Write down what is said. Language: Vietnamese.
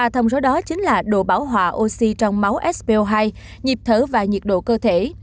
ba thông số đó chính là độ bảo hỏa oxy trong máu spo hai nhịp thở và nhiệt độ cơ thể